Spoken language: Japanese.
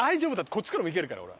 こっちからも行けるから。